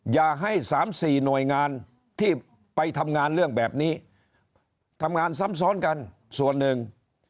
อย่าให้๓๔หน่วยงานที่ไปทำงานเรื่องแบบนี้ทำงานซ้ำซ้อนกันส่วนหนึ่ง